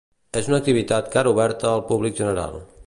És una activitat cara oberta al públic general.